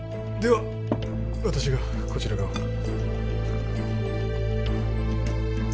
では私がこちら側を